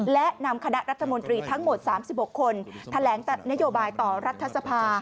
และนำคณะรัฐมนตรีทั้งหมด๓๖คนแถลงนโยบายต่อรัฐสภา